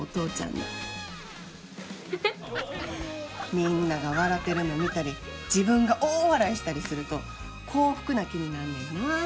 みんなが笑てるの見たり自分が大笑いしたりすると幸福な気になんねんな。